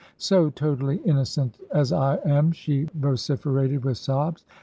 "So totally innocent as I am!" she vociferated with sobs.